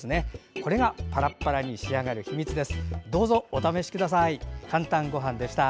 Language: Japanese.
これがパラパラに仕上がる秘密です。